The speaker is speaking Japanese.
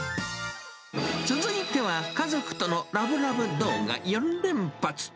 続いては家族とのラブラブ動画４連発。